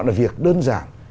là việc đơn giản